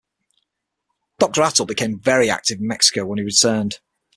Doctor Atl became very active in Mexico when he returned.